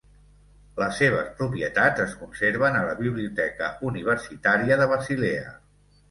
Les seves propietats es conserven a la Biblioteca Universitària de Basilea.